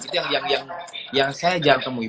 itu yang saya jarang temui